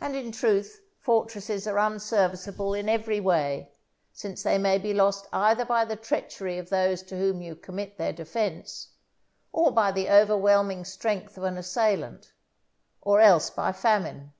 And, in truth, fortresses are unserviceable in every way, since they may be lost either by the treachery of those to whom you commit their defence, or by the overwhelming strength of an assailant, or else by famine.